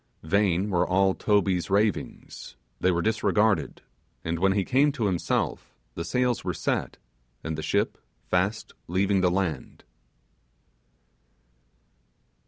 Vain were all Toby's ravings they were disregarded; and when he came to himself, the sails were set, and the ship fast leaving the land.